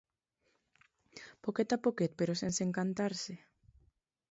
Poquet a poquet, però sense encantar-se...